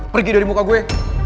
pergi dari muka gue